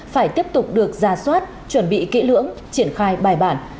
phải tiếp tục được ra soát chuẩn bị kỹ lưỡng triển khai bài bản